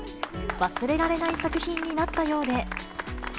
忘れられない作品になったようで。